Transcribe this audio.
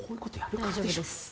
大丈夫です